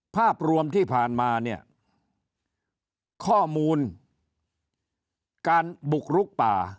ภาพรวมที่ผ่านมาเนี่ยข้อมูลการบุกลุกป่า